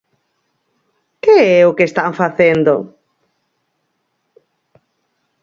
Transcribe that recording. ¿Que é o que están facendo?